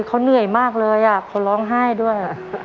เขาเหนื่อยมากเลยเขาร้องไห้ด้วย